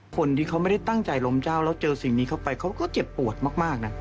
คนที่เขาไม่ได้ตั้งใจล้มเจ้าแล้วเจอสิ่งนี้เข้าไปเขาก็เจ็บปวดมากนะ